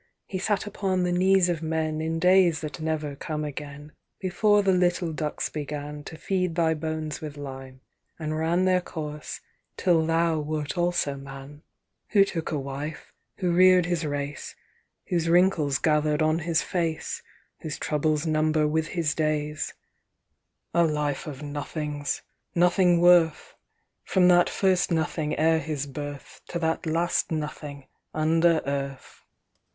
He sat upon the knees of men In days that never come again, "Before the little ducts began To feed thy bones with lime, and ran Their course, till thou wert also man: "Who took a wife, who rear'd his race, Whose wrinkles gather'd on his face, Whose troubles number with his days: "A life of nothings, nothing worth, From that first nothing ere his birth To that last nothing under earth!"